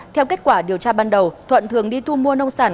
theo kết quả điều tra ban đầu thuận thường đi thu mua nông sản